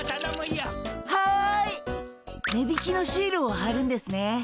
値引きのシールをはるんですね。